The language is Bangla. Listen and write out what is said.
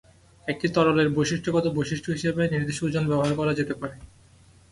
একটি তরলের বৈশিষ্ট্যগত বৈশিষ্ট্য হিসাবে নির্দিষ্ট ওজন ব্যবহার করা যেতে পারে।